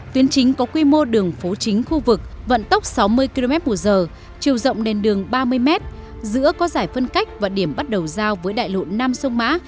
tuyến chính có quy mô đường phố chính khu vực vận tốc sáu mươi km một giờ chiều rộng nền đường ba mươi m giữa có giải phân cách và điểm bắt đầu giao với đại lộn nam sông mã